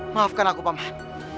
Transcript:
maafkan aku paman